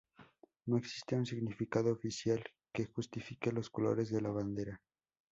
No existe un significado oficial que justifique los colores de la bandera.